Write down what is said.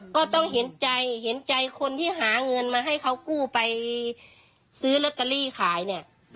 ก็ต้องเห็นใจเห็นใจคนที่หาเงินมาให้เขากู้ไปซื้อลอตเตอรี่ขายเนี่ย